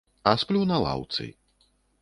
А сплю на лаўцы.